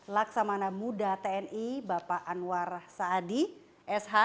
laksamana muda tni bapak anwar saadi sh